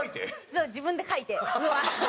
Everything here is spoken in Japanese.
そう自分で書いて。